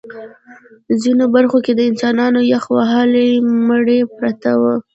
ځینو برخو کې د انسانانو یخ وهلي مړي پراته وو